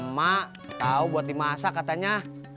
mak tau buat dimasak katanya